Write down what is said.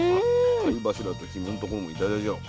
貝柱と肝のところも頂いちゃおう。